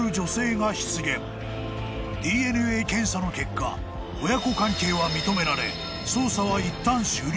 ［ＤＮＡ検査の結果親子関係は認められ捜査はいったん終了。